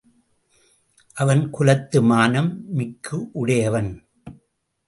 அவன் குலத்து மானம் மிக்கு உடையவன்.